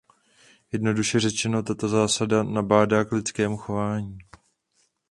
Jednoduše řečeno tato zásada nabádá k lidskému chování.